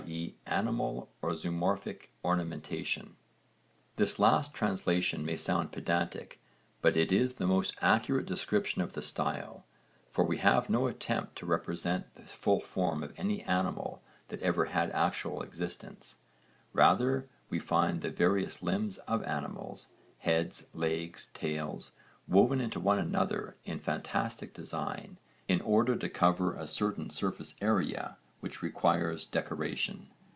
e. animal or zoomorphic ornamentation. This last translation may sound pedantic but it is the most accurate description of the style, for we have no attempt to represent the full form of any animal that ever had actual existence; rather we find the various limbs of animals heads, legs, tails woven into one another in fantastic design in order to cover a certain surface area which requires decoration.